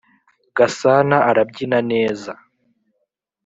gasana arabyina neza